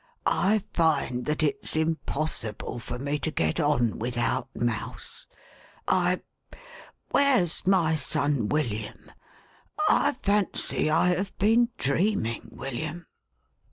I find that it's impossible for me to get on without Mouse. I— where's my son William? — I fancy I have been dreaming, William."